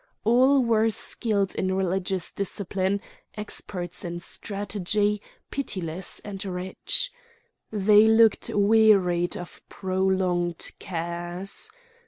All were skilled in religious discipline, expert in strategy, pitiless and rich. They looked wearied of prolonged cares.